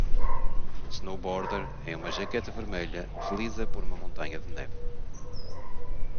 Um snowboarder em uma jaqueta vermelha desliza por uma montanha de neve.